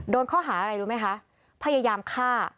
โดนข้อหาอะไรรู้ไหมคะพยายามฆ่า